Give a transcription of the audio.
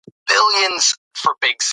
له غلې- دانو ډوډۍ د کولمو لپاره ښه ده.